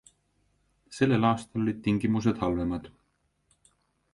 Sellel aastal olid tingimused halvemad.